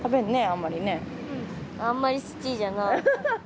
あんまり好きじゃない。